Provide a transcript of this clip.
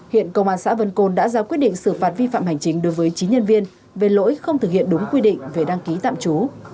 hiện công an xã vân côn đã ra quyết định xử phạt vi phạm hành chính đối với chín nhân viên về lỗi không thực hiện đúng quy định về đăng ký tạm trú